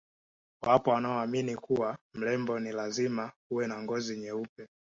Wapo wanaoamini kuwa mrembo ni lazima uwe na ngozi nyeupe